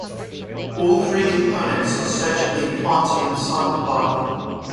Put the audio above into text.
All three components are surgically implanted inside the body.